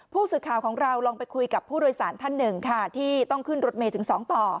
ผู้สื่อข่าวของเราลองไปคุยกับผู้โดยสารท่านหนึ่งค่ะที่ต้องขึ้นรถเมย์ถึง๒ต่อ